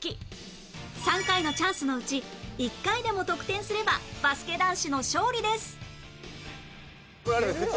３回のチャンスのうち１回でも得点すればバスケ男子の勝利です